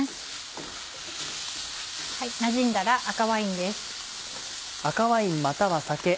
なじんだら赤ワインです。